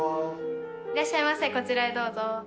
いらっしゃいませこちらへどうぞ。